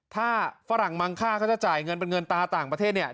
ถ้าฝรั่งมังค่าเขาจะจ่ายเงินเป็นเงินตาต่างประเทศเนี่ย